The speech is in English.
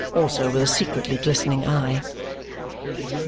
Also with a secretly glistening eye.